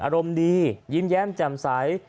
อารมณ์ดียิ้มแย้มแจ่มใส